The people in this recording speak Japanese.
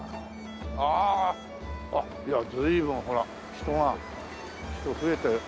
あああっ随分ほら人が人増えて。